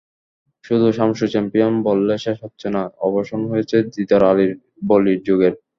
শুধু শামসু চ্যাম্পিয়ন বললে শেষ হচ্ছে না, অবসান হয়েছে দিদার বলীর যুগের।